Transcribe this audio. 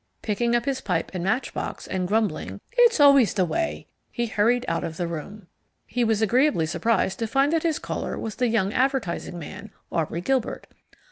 Picking up his pipe and matchbox, and grumbling "It's always the way," he hurried out of the room. He was agreeably surprised to find that his caller was the young advertising man, Aubrey Gilbert.